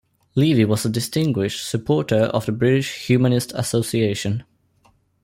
Levey was a Distinguished Supporter of the British Humanist Association.